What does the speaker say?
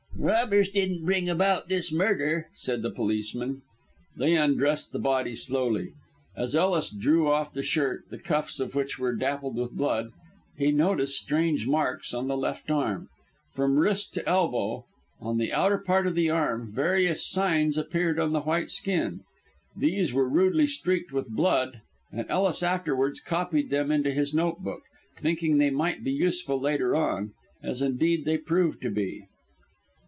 "Robbers didn't bring about this murder," said the policeman. They undressed the body slowly. As Ellis drew off the shirt, the cuffs of which were dappled with blood, he noticed strange marks on the left arm. From wrist to elbow, on the inner part of the arm, various signs appeared on the white skin. These were rudely streaked with blood, and Ellis afterwards copied them into his note book, thinking they might be useful later on, as indeed they proved to be.